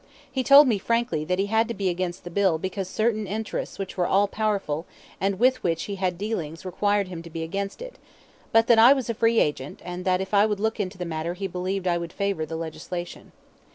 He told me frankly that he had to be against the bill because certain interests which were all powerful and with which he had dealings required him to be against it, but that I was a free agent, and that if I would look into the matter he believed I would favor the legislation.